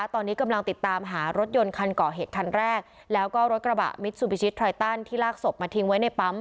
ตอนนี้กำลังติดตามหารถยนต์คันก่อเหตุคันแรกแล้วก็รถกระบะมิตรซูบิชิตไรตันที่ลากศพมาทิ้งไว้ในปั๊ม